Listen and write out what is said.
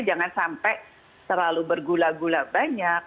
jangan sampai terlalu bergula gula banyak